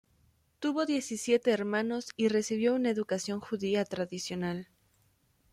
Tuvo diecisiete hermanos y recibió una educación judía tradicional.